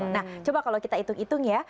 nah coba kalau kita hitung hitung ya